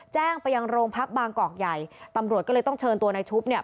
แจ้งไปยังโรงพักบางกอกใหญ่ตำรวจก็เลยต้องเชิญตัวนายชุบเนี่ย